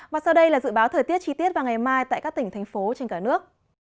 và sau đây là dự báo thời tiết chi tiết vào ngày mai tại các tỉnh thành phố trên cả nước